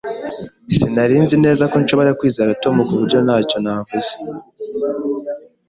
Sinari nzi neza ko nshobora kwizera Tom, ku buryo ntacyo navuze.